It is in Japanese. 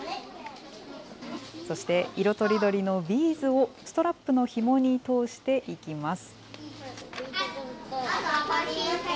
そして色とりどりのビーズをストラップのひもに通していきます。